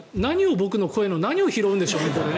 僕の声の何を拾うんですかね？